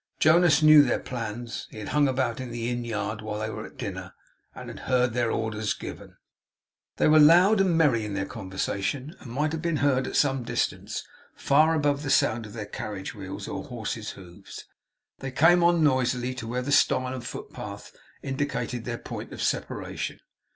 Jonas knew their plans. He had hung about the inn yard while they were at dinner and had heard their orders given. They were loud and merry in their conversation, and might have been heard at some distance; far above the sound of their carriage wheels or horses' hoofs. They came on noisily, to where a stile and footpath indicated their point of separation.